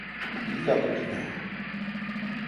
Milliards de dinars.